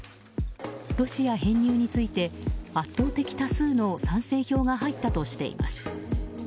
ロシア編入について圧倒的多数の賛成票が入ったとしています。